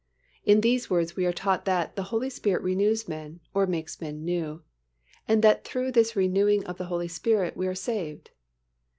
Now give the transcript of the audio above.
In these words we are taught that the Holy Spirit renews men, or makes men new, and that through this renewing of the Holy Spirit, we are saved.